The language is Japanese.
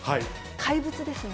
怪物ですね。